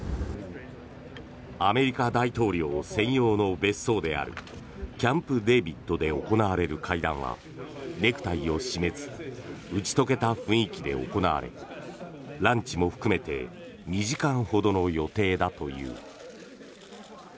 アメリカ大統領専用の別荘であるキャンプデービッドで行われる会談はネクタイを締めず打ち解けた雰囲気で行われランチも含めて２時間ほどの予定だという。